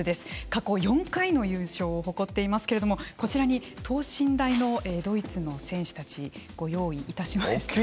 過去４回の優勝を誇っていますけれどもこちらに等身大のドイツの選手たちご用意いたしました。